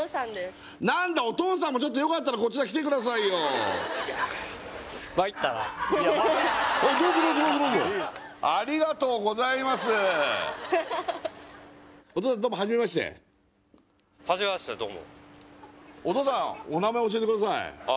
何だお父さんもよかったらこちら来てくださいよお父さんお名前教えてください